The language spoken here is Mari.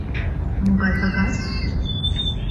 — Могай кагаз?